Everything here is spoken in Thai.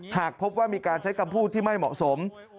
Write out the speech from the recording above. หากพบว่ามีการใช้คำพูดที่ไม่เหมาะสม